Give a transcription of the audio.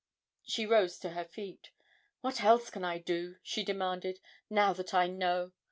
She rose to her feet. 'What else can I do,' she demanded, 'now that I know?